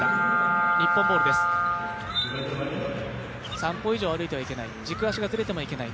３歩以上歩いてはいけない、軸足がずれてもいけない